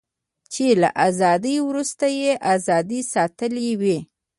چې له ازادۍ وروسته یې ازادي ساتلې وي.